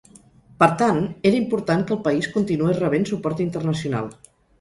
Per tant, era important que el país continués rebent suport internacional.